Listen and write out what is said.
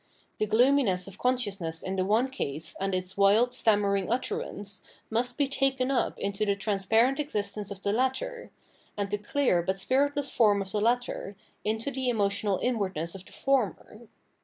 The gloominess of consciousness in the one case and its wild stammering utterance, must be taken up into the transparent existence of the latter ; and the clear but spiritless form of the latter, into the emotional inward ness of the former.